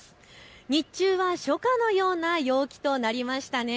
日中は初夏のような陽気となりましたね。